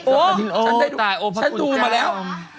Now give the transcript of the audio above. โอ๊ยตายโอภาคุณกรรมนะครับฉันดูมาแล้ว